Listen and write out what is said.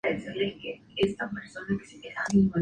Su cuerpo aún continúa desaparecido.